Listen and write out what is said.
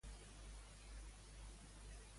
Quins fets ha denunciat Mas?